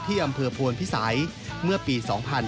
ที่อำเภอภวนพิสัยเมื่อปี๒๕๒๘